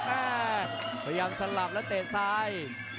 พยายามสลับแล้วเตะซ้าย